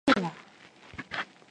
거짓말이야!